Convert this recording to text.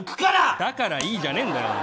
だからいいじゃねえんだよ。